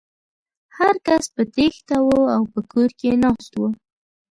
هر کس په تېښته و او په کور کې ناست و.